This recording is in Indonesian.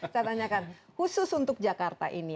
saya tanyakan khusus untuk jakarta ini